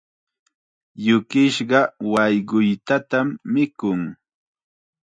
Yukisqa wayquytatam mikun.